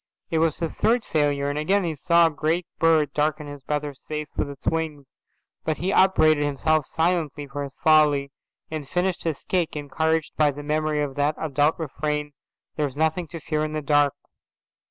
It was his third failure, and again he saw a great bird darken his brother's face with its wings. But he upbraided himself silently for his folly, and finished his cake encouraged by the memory of that adult refrain, "There's nothing to fear in the dark."